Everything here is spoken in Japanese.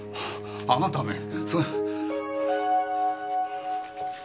あなたねえそれ。